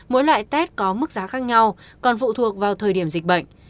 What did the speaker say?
mỗi loại tết có mức giá khác nhau còn phụ thuộc vào thời điểm dịch bệnh